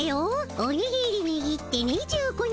「おにぎりにぎって２５年」